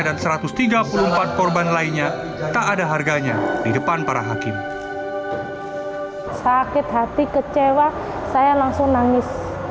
dan satu ratus tiga puluh empat korban lainnya tak ada harganya di depan para hakim sakit hati kecewa saya langsung nangis